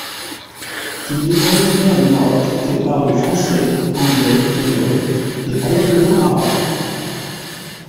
Il est originaire du Maroc et parle français, anglais, hébreu, et probablement arabe.